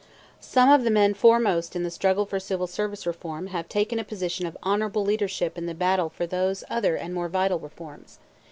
Some of the men foremost in the struggle for Civil Service Reform have taken a position of honorable leadership in the battle for those other and more vital reforms.